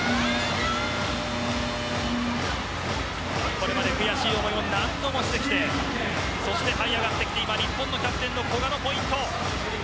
これまで悔しい思いを何度もしてきてそして、はい上がってきて今、日本キャプテンの古賀のポイント。